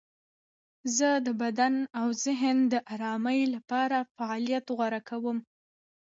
زه د بدن او ذهن د آرامۍ لپاره فعالیت غوره کوم.